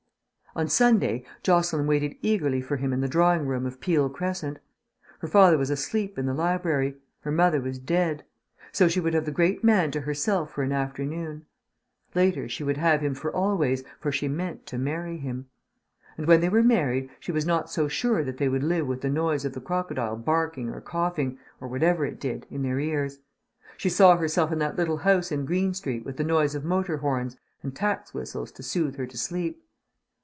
..... On Sunday Jocelyn waited eagerly for him in the drawing room of Peele Crescent. Her father was asleep in the library, her mother was dead; so she would have the great man to herself for an afternoon. Later she would have him for always, for she meant to marry him. And when they were married she was not so sure that they would live with the noise of the crocodile barking or coughing, or whatever it did, in their ears. She saw herself in that little house in Green Street with the noise of motor horns and taxi whistles to soothe her to sleep.